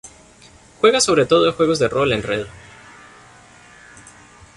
Juega sobre todo a juegos de rol en red.